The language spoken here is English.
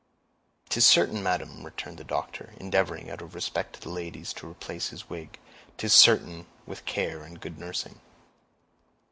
"'Tis certain, madam," returned the doctor, endeavoring, out of respect to the ladies, to replace his wig; "'tis certain, with care and good nursing."